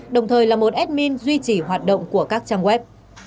đồng thời là một admin duy trì hoạt động của các trang web